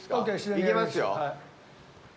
行きますよ。